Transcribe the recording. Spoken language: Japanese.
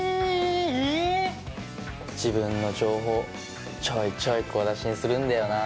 自分の情報ちょいちょい小出しにするんだよな。